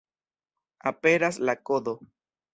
Aperas la kodo.